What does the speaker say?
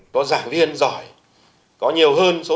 có giảng viên giỏi có nhiều hơn số giảng viên